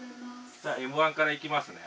・ではＭ１からいきますね。